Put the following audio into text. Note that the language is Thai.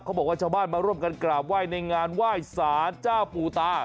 เขาบอกว่าชาวบ้านมาร่วมกันกราบไหว้ในงานไหว้ศาลจ้าปู่ตา